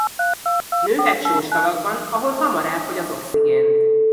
Nőhet sós tavakban ahol hamar elfogy az oxigén.